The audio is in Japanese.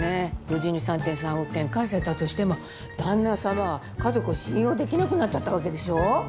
無事に３．３億円返せたとしても旦那様は家族を信用できなくなっちゃったわけでしょ。